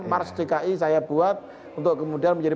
mars dki saya buat untuk kemudian menjadi